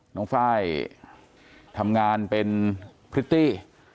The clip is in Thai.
น้องฟ้ายทำงานเป็นพริตตี้